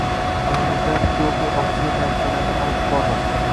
Oynaga qarab Tiyoko og`ziga tayoqchalarni olib bordi